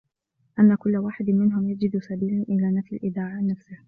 أَنَّ كُلَّ وَاحِدٍ مِنْهُمْ يَجِدُ سَبِيلًا إلَى نَفْيِ الْإِذَاعَةِ عَنْ نَفْسِهِ